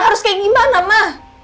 harus kayak gimana ma